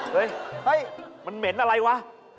เฮ้ยเฮ้ยมันเหม็นอะไรวะ